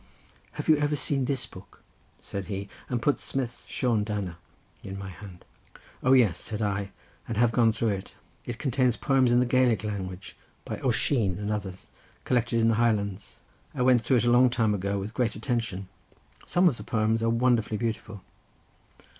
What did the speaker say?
"Have you ever seen this book?" said he, and put Smith's Sean Dana into my hand. "O yes," said I, "and have gone through it. It contains poems in the Gaelic language by Oisin and others, collected in the Highlands. I went through it a long time ago with great attention. Some of the poems are wonderfully beautiful."